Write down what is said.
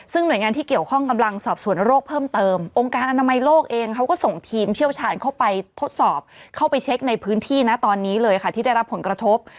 ซึ่งหน่วยงานที่เกี่ยวข้องกำลังสอบสวนโรคเพิ่มเติมองค์การอนามัยโลกเองเขาก็ส่งทีมเชี่ยวชาญเข้าไปทดสอบเข้าไปเช็คในพื้นที่นะตอนนี้เลยค่ะที่ได้รับผลกระทบ